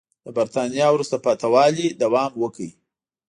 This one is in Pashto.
د برېټانیا وروسته پاتې والي دوام وکړ.